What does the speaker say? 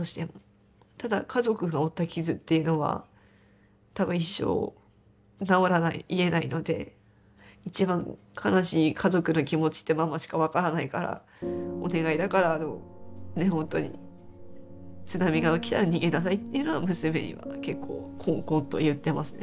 ただ家族が負った傷っていうのは多分一生治らない癒えないので一番悲しい家族の気持ちってママしか分からないからお願いだからあの本当に津波が起きたら逃げなさいっていうのは娘には結構こんこんと言ってますね。